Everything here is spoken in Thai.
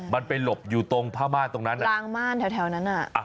มันไปหลบอยู่ตรงผ้าม่านตรงนั้นกลางม่านแถวนั้นอ่ะ